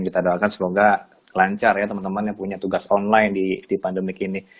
kita doakan semoga lancar ya teman teman yang punya tugas online di pandemik ini